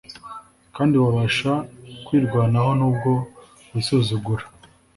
kandi wabasha kwirwanaho nubwo wisuzugura